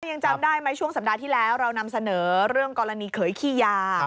ยังจำได้ไหมช่วงสัปดาห์ที่แล้วเรานำเสนอเรื่องกรณีเขยขี้ยา